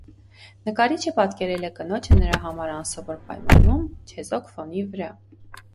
Նկարիչը պատկերել է կնոջը նրա համար անսովոր պայմանում՝ չեզոք ֆոնի վրա։